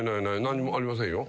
何にもありませんよ。